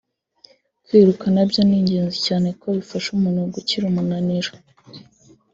Kwiruka nabyo ni ingezi cyane kuko bifasha umuntu gukira umunariro